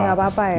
nggak apa apa ya